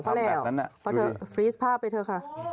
ปรับซึ่งพาก์ไปเถอะค่ะ